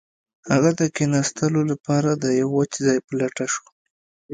هغه د کښیناستلو لپاره د یو وچ ځای په لټه شو